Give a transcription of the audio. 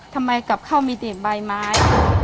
ทำไมกลับเข้ามีแต่ใบไม้